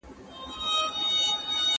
¬ نابلده غل جومات ماتوي.